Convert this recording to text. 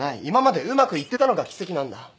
今までうまくいってたのが奇跡なんだ。